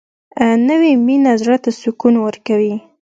نوې مینه زړه ته سکون ورکوي